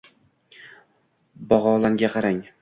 Bog‘olanga qarang.